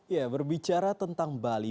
ya berbicara tentang bali